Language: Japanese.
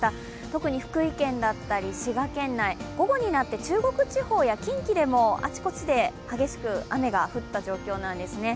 特に福井県だったり滋賀県内、午後になって中国地方や近畿でもあちこちで激しく雨が降った状況なんですね。